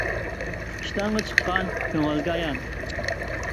ئىشتانغا چىققان كۆڭۈلگە ئايان.